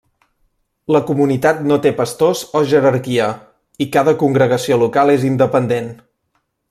La comunitat no té pastors o jerarquia, i cada congregació local és independent.